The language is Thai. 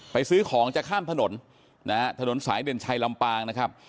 ซื้อของจะข้ามถนนนะฮะถนนสายเด่นชัยลำปางนะครับ